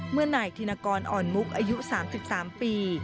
เมื่อไหนทินกรอ่อนมุกอายุ๓๓ปี